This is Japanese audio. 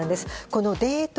このデート